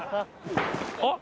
あっ！